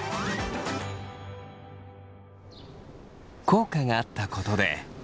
効果があったことで。